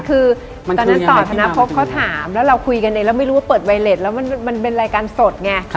คือตอนนั้นต่อธนภพเขาถามแล้วเราคุยกันเองแล้วไม่รู้ว่าเปิดไวเล็ตแล้วมันเป็นรายการสดไง